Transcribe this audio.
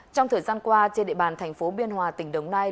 trong thời gian qua trên địa bàn thành phố biên hòa tỉnh đồng nai